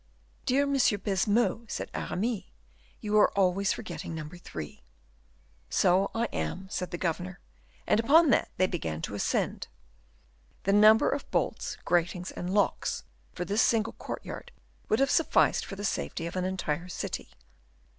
"Dear M. de Baisemeaux," said Aramis, "you are always forgetting No. 3." "So I am," said the governor; and upon that, they began to ascend. The number of bolts, gratings, and locks for this single courtyard would have sufficed for the safety of an entire city.